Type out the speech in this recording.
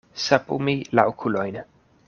Sapumi la okulojn.